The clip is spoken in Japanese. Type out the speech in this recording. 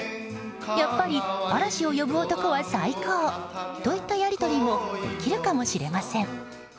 やっぱり「嵐を呼ぶ男」は最高！といったやり取りもできるかもしれません。